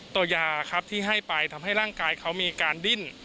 ตัวยาครับที่ให้ไปทำให้ร่างกายเขามีการดิ้น